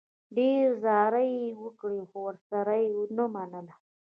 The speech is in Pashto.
ډېرې زارۍ یې وکړې، خو ورسره و یې نه منله.